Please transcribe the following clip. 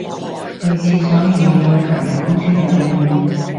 去廁所遇到隔離公司有靚女